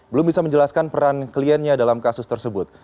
belum bisa menjelaskan peran kliennya dalam kasus tersebut